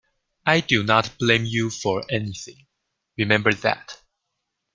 I do not blame you for anything; remember that.